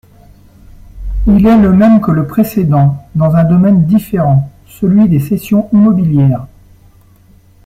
Il est le même que le précédent, dans un domaine différent, celui des cessions immobilières.